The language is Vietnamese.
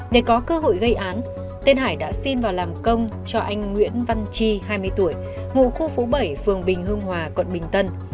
để có cơ hội gây án tên hải đã xin vào làm công cho anh nguyễn văn chi hai mươi tuổi ngụ khu phố bảy phường bình hưng hòa quận bình tân